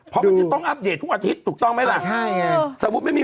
เพราะมันจะต้องอัปเดตทุกอาทิตย์ถูกต้องไหมล่ะใช่ไงสมมุติไม่มี